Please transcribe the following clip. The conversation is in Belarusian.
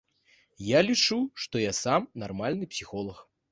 Я лічу, што я сам нармальны псіхолаг.